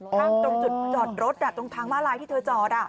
ตรงจุดจอดรถตรงทางมาลายที่เธอจอด